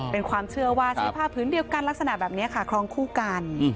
เป็นความเชื่อว่าใช้ผ้าพื้นเดียวกันลักษณะแบบนี้ค่ะครองคู่กัน